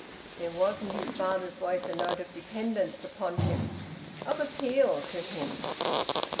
There was in his father's voice a note of dependence upon him, of appeal to him.